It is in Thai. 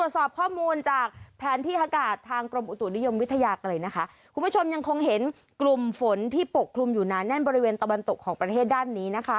สอบข้อมูลจากแผนที่อากาศทางกรมอุตุนิยมวิทยากันเลยนะคะคุณผู้ชมยังคงเห็นกลุ่มฝนที่ปกคลุมอยู่หนาแน่นบริเวณตะวันตกของประเทศด้านนี้นะคะ